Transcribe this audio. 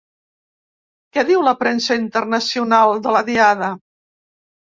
Què diu la premsa internacional de la Diada?